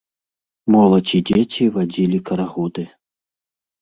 Моладзь і дзеці вадзілі карагоды.